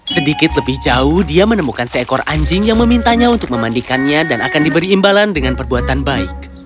sedikit lebih jauh dia menemukan seekor anjing yang memintanya untuk memandikannya dan akan diberi imbalan dengan perbuatan baik